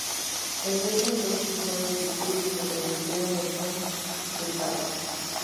El reino entonces dejó de existir y se convirtió en un ducado.